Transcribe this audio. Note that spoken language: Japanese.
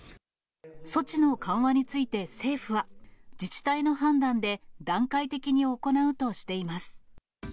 措置の緩和について政府は、自治体の判断で、段階的に行うとしています。